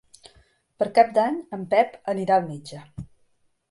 Per Cap d'Any en Pep anirà al metge.